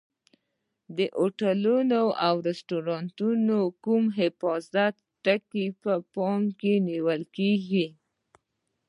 د هوټلونو او رستورانتونو کې کوم حفاظتي ټکي په پام کې نیول کېږي؟